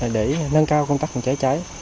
để nâng cao công tác cháy cháy